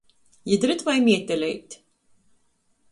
Jidrytvai mieteleit!